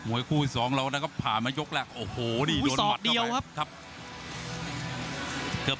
หม่วยคู่สองนะก็ผ่านมายกแรกโอ้โหโดนหมัดเข้าไป